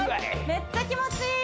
めっちゃ気持ちいい！